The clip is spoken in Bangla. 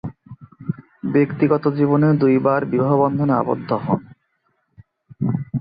ব্যক্তিগত জীবনে দুইবার বিবাহ-বন্ধনে আবদ্ধ হন।